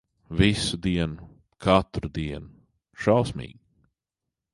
Visu dienu, katru dienu. Šausmīgi.